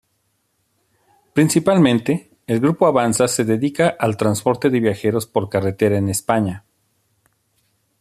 Principalmente, el Grupo Avanza se dedica al transporte de viajeros por carretera en España.